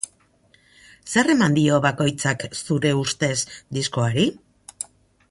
Zer eman dio bakoitzak, zure ustez, diskoari?